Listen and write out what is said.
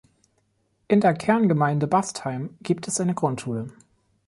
In der Kerngemeinde Bastheim gibt es eine Grundschule.